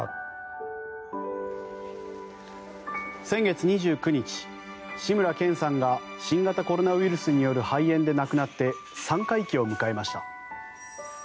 先月２９日志村けんさんが新型コロナウイルスによる肺炎で亡くなって三回忌を迎えました。